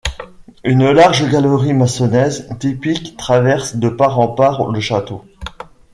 Une large galerie mâconnaise typique traverse de part en part le château.